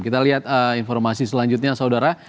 kita lihat informasi selanjutnya saudara